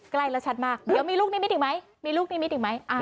ใกล้แล้วชัดมากเดี๋ยวมีลูกนิมิตอีกไหมมีลูกนิมิตอีกไหม